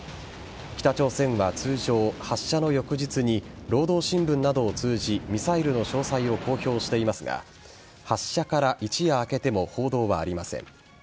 北朝鮮は通常、発射の翌日に労働新聞などを通じミサイルの詳細を公表していますが発射から一夜明けても報道はありません。